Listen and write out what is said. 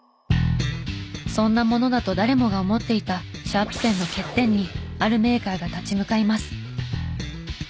そんなものだと誰もが思っていたシャープペンの欠点にあるメーカーが立ち向かいます。